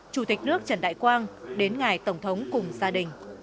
chủ tịch nước trần đại quang đến ngài tổng thống cùng gia đình